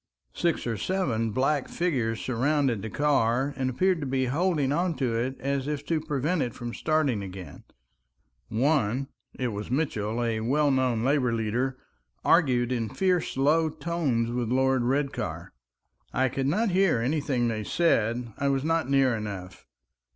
Six or seven black figures surrounded the car, and appeared to be holding on to it as if to prevent it from starting again; one—it was Mitchell, a well known labor leader—argued in fierce low tones with Lord Redcar. I could not hear anything they said, I was not near enough.